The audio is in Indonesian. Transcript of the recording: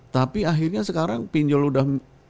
tapi akhirnya sekarang pinjol sudah